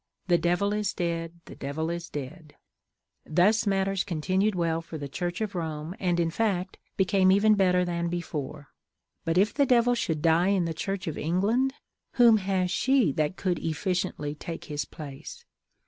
The Devil is dead! the Devil is dead!" Thus matters continued well for the Church of Rome, and, in fact, became even better than before. But if the Devil should die in the Church of England, whom has she that could efficiently take his place?